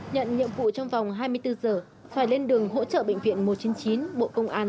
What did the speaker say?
nhận nhiệm vụ trong vòng hai mươi bốn giờ phải lên đường hỗ trợ bệnh viện một trăm chín mươi chín bộ công an